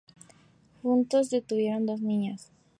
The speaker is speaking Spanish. Juntos tuvieron dos niñas.